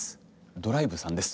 ドライブさんです